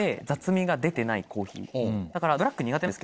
だから。